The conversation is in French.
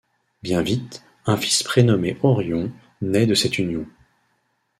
Bien vite, un fils prénommé Orion naît de cette union.